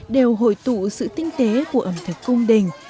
đều hội tụ sự tinh tế của ẩm thực cung đình